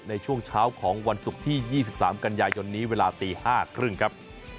ในช่วงเช้าของวันศุกร์ที่๒๓กันยายนนี้เวลาตี๕๓๐ครับ